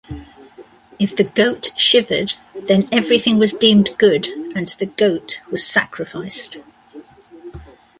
If the goat shivered then everything was deemed good and the goat was sacrificed.